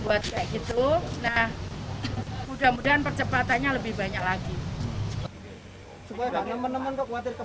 nah mudah mudahan percepatannya lebih banyak lagi